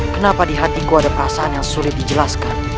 kenapa di hatiku ada perasaan yang sulit dijelaskan